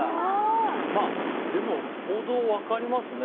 でも、行動が分かりますね